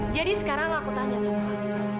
jadi sekarang aku tanya sama kamu